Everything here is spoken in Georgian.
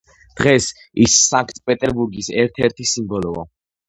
დღეს, ის სანქტ-პეტერბურგის ერთ-ერთი სიმბოლოა.